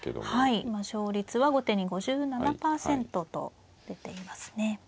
はい今勝率は後手に５７％と出ていますね。